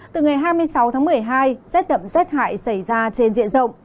từ ngày hai mươi sáu tháng một mươi hai rét đậm rét hại xảy ra trên diện rộng